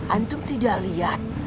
antum tidak lihat